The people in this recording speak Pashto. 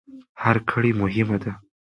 هر کړۍ مهمه ده.